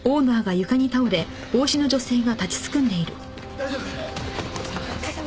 大丈夫？